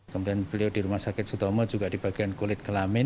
kemudian beliau di rumah sakit sutomo juga di bagian kulit kelamin